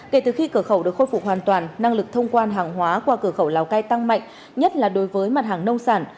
kể từ khi cửa khẩu được khôi phục hoàn toàn năng lực thông quan hàng hóa qua cửa khẩu lào cai tăng mạnh nhất là đối với mặt hàng nông sản